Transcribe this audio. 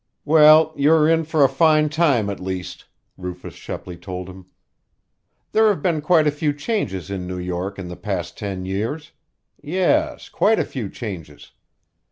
"Well, you are in for a fine time, at least," Rufus Shepley told him. "There have been quite a few changes in New York in the past ten years. Yes, quite a few changes!